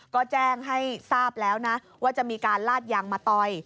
ก็แจ้งให้ทราบแล้วนะว่าจะมีการลาดยางมาต่อย